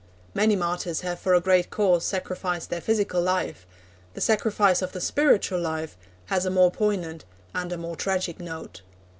Many martyrs have for a great cause sacrificed their physical life; the sacrifice of the spiritual life has a more poignant and a more tragic note.